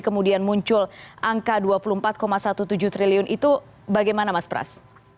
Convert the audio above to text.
kemudian muncul angka dua puluh empat tujuh belas triliun itu bagaimana mas pras